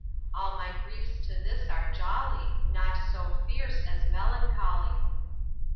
All my griefs to this are jolly, Naught so fierce as melancholy.